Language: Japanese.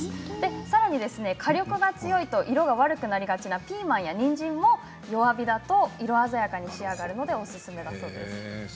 さらに火力が強いと色が悪くなりがちなピーマンやにんじんも弱火だと色鮮やかに仕上がるのでおすすめだそうです。